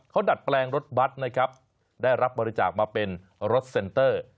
เขาดัดแปลงรถบัตรนะครับได้รับบริจาคมาเป็นรถเซ็นเตอร์